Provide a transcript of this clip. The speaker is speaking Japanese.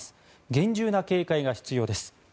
厳重な警戒が必要です。